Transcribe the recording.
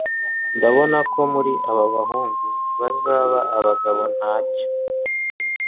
ndabona ko muri aba bahungu hazaba abagabo ntacyo